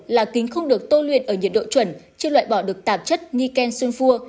là kính không được tô luyện ở nhiệt độ chuẩn chưa loại bỏ được tạp chất niken sunfur